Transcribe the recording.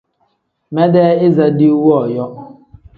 Medee iza diiwu wooyo.